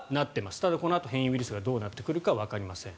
ただ、このあと変異ウイルスがどうなってくるかわかりません。